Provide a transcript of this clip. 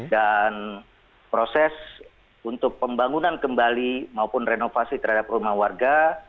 dan proses untuk pembangunan kembali maupun renovasi terhadap rumah warga